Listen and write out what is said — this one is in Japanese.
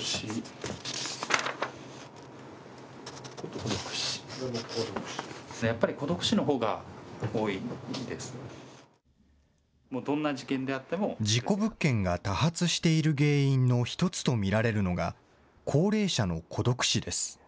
事故物件が多発している原因の一つと見られるのが、高齢者の孤独死です。